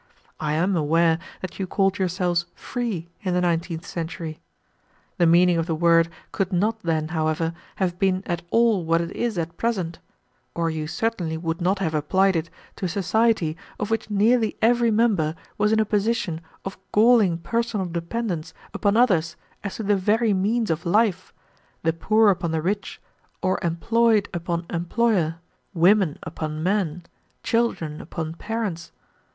I am aware that you called yourselves free in the nineteenth century. The meaning of the word could not then, however, have been at all what it is at present, or you certainly would not have applied it to a society of which nearly every member was in a position of galling personal dependence upon others as to the very means of life, the poor upon the rich, or employed upon employer, women upon men, children upon parents.